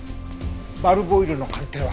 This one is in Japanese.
バルブオイルの鑑定は？